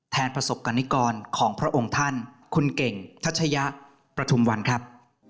ประสบกรณิกรของพระองค์ท่านคุณเก่งทัชยะประทุมวันครับ